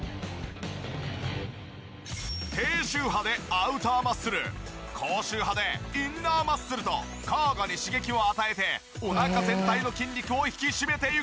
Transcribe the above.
低周波でアウターマッスル高周波でインナーマッスルと交互に刺激を与えてお腹全体の筋肉を引き締めていく。